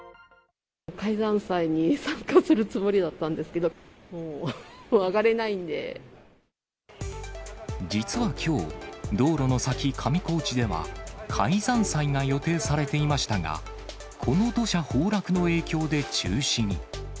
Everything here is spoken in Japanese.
開山祭に参加するつもりだったんですけど、実はきょう、道路の先、上高地では開山祭が予定されていましたが、この土砂崩落の影響で中止に。